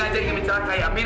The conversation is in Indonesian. yang anti ciri ast